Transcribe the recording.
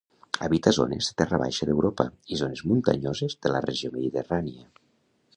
Habita zones de terra baixa d'Europa i zones muntanyoses de la regió mediterrània.